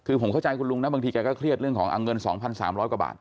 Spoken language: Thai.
คือผมเข้าใจคุณลุงนะบางทีแกก็เครียดเรื่องของเงิน๒๓๐๐กว่าบาท